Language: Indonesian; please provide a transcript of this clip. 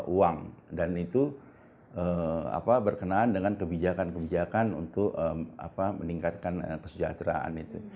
uang dan itu berkenaan dengan kebijakan kebijakan untuk meningkatkan kesejahteraan itu